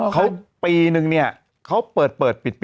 เขาปีนึงเนี่ยเขาเปิดปิด